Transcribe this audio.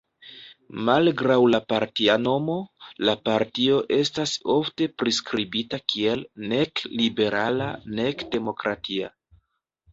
Malgraŭ la partia nomo, la partio estas ofte priskribita kiel "nek liberala nek demokratia.